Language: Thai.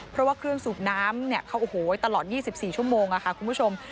เพราะว่าเครื่องสูบน้ำเขาโอ้โหตลอด๒๔ชั่วโมงค่ะคุณผู้ชม